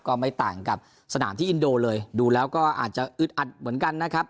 ก็ไม่ต่างกับสนามที่อินโดเลยดูแล้วก็อาจจะอึดอัดเหมือนกันนะครับ